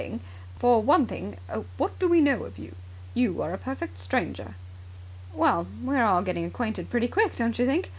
"For one thing, what do we know of you? You are a perfect stranger." "Well, we're all getting acquainted pretty quick, don't you think?